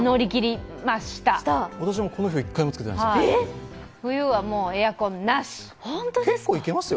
私もこの冬、１回もつけてないですよ。